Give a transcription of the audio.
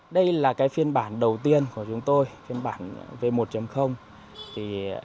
đây là phiên bản đầu tiên của chúng tôi phiên bản v một